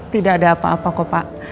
tidak ada apa apa kok pak